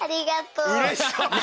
うれしそう！